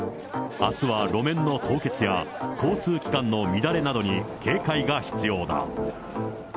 あすは路面の凍結や、交通機関の乱れなどに警戒が必要だ。